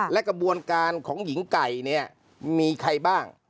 และกระบวนการของหญิงไก่เนี่ยมีใครบ้าง